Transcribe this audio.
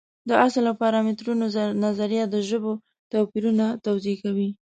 د اصل او پارامترونو نظریه د ژبو توپیرونه توضیح کوي.